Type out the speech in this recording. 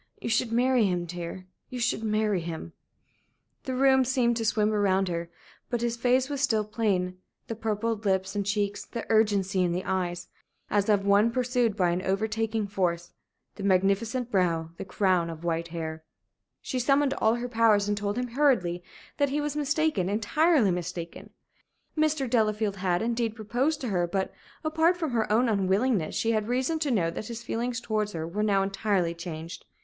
You should marry him, dear you should marry him." The room seemed to swim around her. But his face was still plain the purpled lips and cheeks, the urgency in the eyes, as of one pursued by an overtaking force, the magnificent brow, the crown of white hair. She summoned all her powers and told him hurriedly that he was mistaken entirely mistaken. Mr. Delafield had, indeed, proposed to her, but, apart from her own unwillingness, she had reason to know that his feelings towards her were now entirely changed.